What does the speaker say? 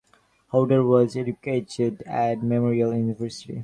Hodder was educated at Memorial University.